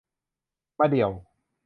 มะเดี่ยว